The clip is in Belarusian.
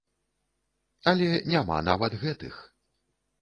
Але няма нават гэтых.